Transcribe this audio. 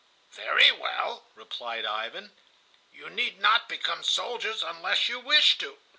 "Very well," replied Ivan, "you need not become soldiers unless you wish to."